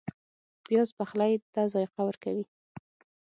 پیاز پخلی ته ذایقه ورکوي